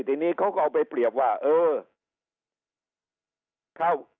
ทีนี้เขาก็เอาไปเปรียบว่าเออ